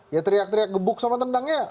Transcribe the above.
ya teriak teriak gebuk sama tendangnya